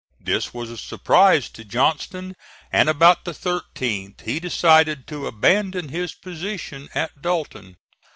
This was a surprise to Johnston, and about the 13th he decided to abandon his position at Dalton.